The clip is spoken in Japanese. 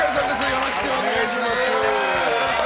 よろしくお願いします。